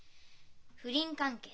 不倫関係。